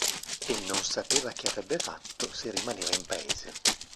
E non sapeva che avrebbe fatto se rimaneva in paese.